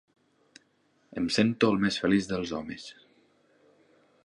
Em sento el més feliç dels homes.